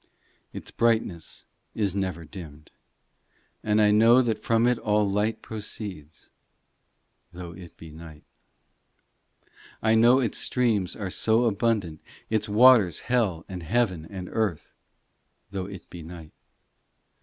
Its brightness is never dimmed, And I know that from it all light proceeds, Though it be night. VI I know its streams are so abundant, It waters hell and heaven and earth, Though it be night.